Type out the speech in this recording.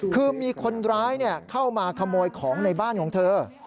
คือมีคนร้ายเข้ามาขโมยของในบ้านของเธอ